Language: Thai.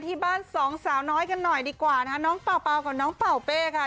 ที่บ้านสองสาวน้อยกันหน่อยดีกว่านะคะน้องเป่ากับน้องเป่าเป้ค่ะ